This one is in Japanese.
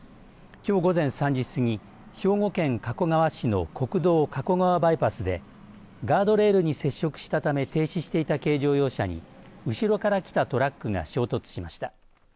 きょう午前３時過ぎ兵庫県加古川市の国道加古川バイパスでガードレールに接触したため停止していた軽乗用車に後ろから来たトラックが衝突しました。